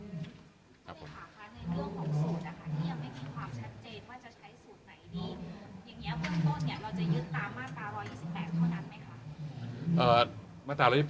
ว่าจะใช้สูตรไหนดีอย่างเงี้ยเมื่อต้นเนี่ยเราจะยืนตามมาตร๑๒๘เท่านั้นไหมคะ